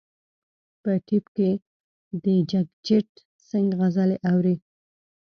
په ټیپ کې د جګجیت سنګ غزلې اوري.